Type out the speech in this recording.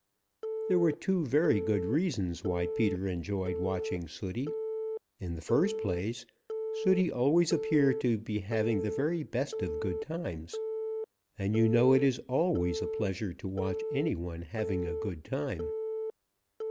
There were two very good reasons why Peter enjoyed watching Sooty. In the first place Sooty always appeared to be having the very best of good times, and you know it is always a pleasure to watch any one having a good time.